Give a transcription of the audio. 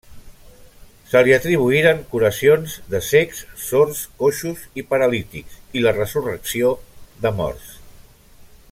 Se li atribuïren curacions de cecs, sords, coixos i paralítics i la resurrecció de morts.